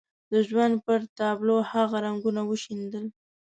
د ژوند پر تابلو هغه رنګونه وشيندل.